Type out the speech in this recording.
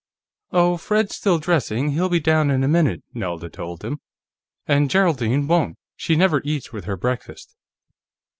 "Oh, Fred's still dressing; he'll be down in a minute," Nelda told him. "And Geraldine won't; she never eats with her breakfast."